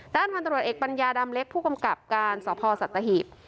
ด้านพันธุรวชเอกปัญญาดำเล็กผู้กรรมกราบการศพสตหีบ